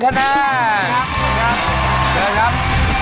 ครับครับเจอครับ